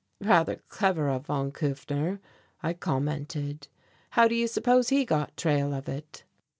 "Rather clever of von Kufner," I commented; "how do you suppose he got trail of it?"